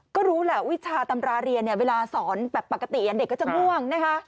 ก็รู้แหละวิชาตำราเรียนเนี่ยเวลาสอนแบบปกติเด็กก็จะง่วงนะคะ